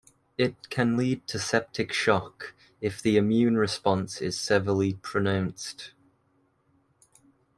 It can lead to septic shock, if the immune response is severely pronounced.